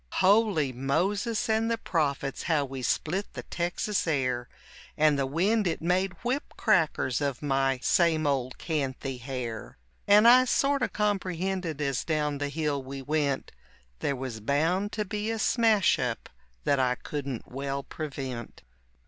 Holy Moses and the Prophets, how we split the Texas air, And the wind it made whip crackers of my same old canthy hair, And I sorta comprehended as down the hill we went There was bound to be a smash up that I couldn't well prevent.